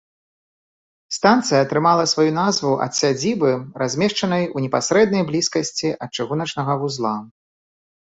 Станцыя атрымала сваю назву ад сядзібы, размешчанай у непасрэднай блізкасці ад чыгуначнага вузла.